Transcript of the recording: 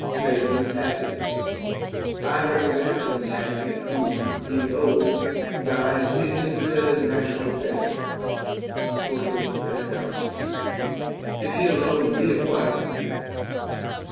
Thales added, I reckon that prince happy, who, being old, dies in his bed a natural death. Fourthly, Anacharsis, If he alone be a wise man.